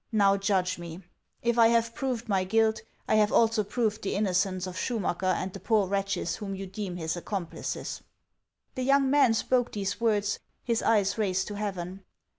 Now judge me. If I have proved my guilt, I have also proved the innocence of Schumacker and the poor wretches whom you deem his accomplices." The young man spoke these words, his eyes raised to heaven.